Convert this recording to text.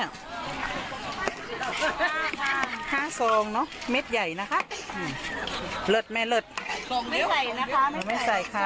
ฮะฮะคลาสงเนอะเม็ดใหญ่นะค่ะหือเลือดแม่เลือดโครงไม่ใส่นะคะ